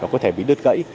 có thể bị đứt gãy